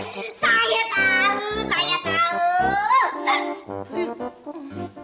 aduh urusannya laki laki